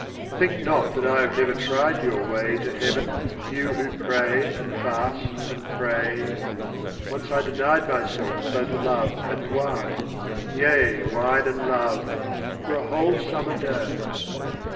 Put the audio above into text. Think not that I have never tried your way To heaven, you who pray and fast and pray : 29. Once I denied myself both love and wine — Yea, wine and love — for a whole summer day.